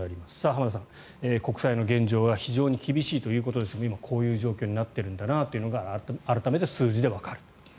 浜田さん、国債の現状は非常に厳しいということですが今、こういう状況になっているんだなというのが改めて数字でわかると。